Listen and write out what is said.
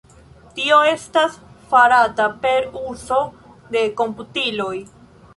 Tio estas farata per uzo de komputiloj.